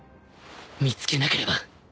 見つけなければ